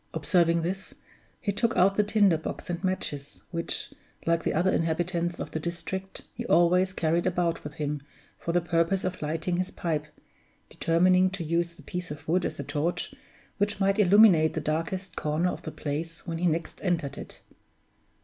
Observing this, he took out the tinder box and matches, which, like the other inhabitants of the district, he always carried about with him for the purpose of lighting his pipe, determining to use the piece of wood as a torch which might illuminate the darkest corner of the place when he next entered it.